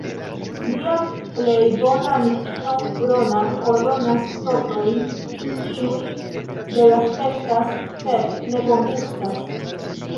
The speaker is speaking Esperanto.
Lia plej bona amikino Rona ornamas tortojn, kiuj belaspektas sed ne bongustas.